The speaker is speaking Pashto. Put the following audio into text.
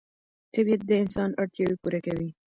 طبیعت د انسان اړتیاوې پوره کوي